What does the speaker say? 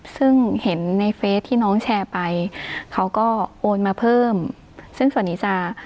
ซึ่งเห็นในเฟสที่น้องแชร์ไปเขาก็โอนมาเพิ่มซึ่งส่วนนี้จะ